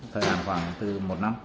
thời gian khoảng từ một năm